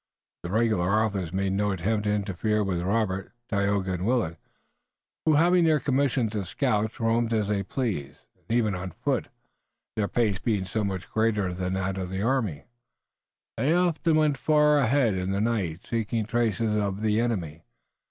The regular officers made no attempt to interfere with Robert, Tayoga and Willet, who, having their commissions as scouts, roamed as they pleased, and, even on foot, their pace being so much greater than that of the army, they often went far ahead in the night seeking traces of the enemy.